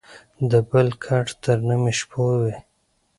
دبل کټ تر نيمو شپو وى.